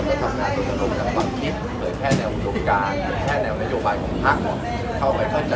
ไม่ว่าจะเป็นคุณภาพน้ำคุณภาพอากาศ